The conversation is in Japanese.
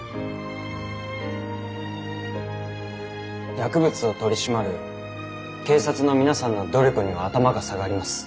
薬物を取り締まる警察の皆さんの努力には頭が下がります。